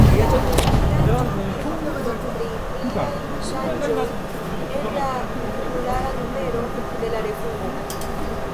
Ni lanĉos diskuton pri pliaj ŝanĝoj en la januara numero de la revuo.